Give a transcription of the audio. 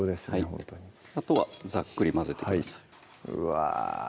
ほんとにあとはざっくり混ぜてくださいうわ